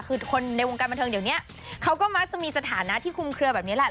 คือคนในวงการบันเทิงเดี๋ยวนี้เขาก็มักจะมีสถานะที่คุมเคลือแบบนี้แหละ